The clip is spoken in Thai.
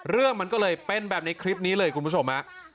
เรื่องมันก็เลยเป็นแบบในคลิปนี้เลยคุณผู้ชมฮะ